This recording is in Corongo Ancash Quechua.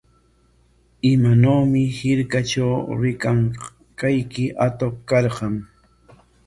¿Imanawmi hirkatraw rikanqayki atuq karqan?